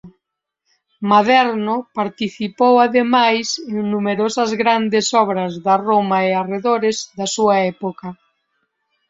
Maderno participou ademais en numerosas grandes obras da Roma e arredores da súa época.